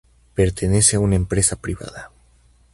Pertenece a una empresa privada.